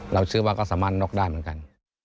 เชื่อว่าก็สามารถน็อกได้เหมือนกัน